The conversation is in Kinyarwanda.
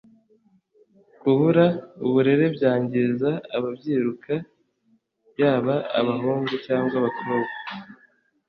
kubura uburere byangiza ababyiruka yaba abahungu cyangwa abakobwa